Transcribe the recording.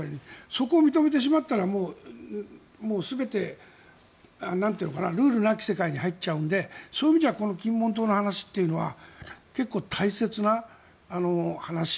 そこを認めてしまったらもう全てルールなき世界に入ってしまうのでそう意味じゃこの金門島の話というのは結構大切な話。